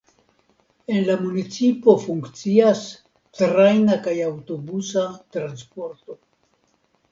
En la municipo funkcias trajna kaj aŭtobusa transporto.